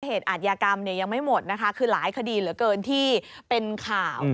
อาทยากรรมเนี่ยยังไม่หมดนะคะคือหลายคดีเหลือเกินที่เป็นข่าว